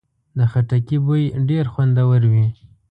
د خټکي بوی ډېر خوندور وي.